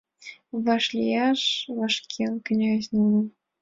Вашлияш вашкен князь нуным.